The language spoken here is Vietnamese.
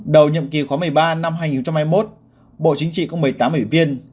đầu nhậm kỳ khóa một mươi ba năm hai nghìn hai mươi một bộ chính trị có một mươi tám ủy viên